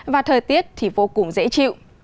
và thời tiết thì vô cùng dễ chịu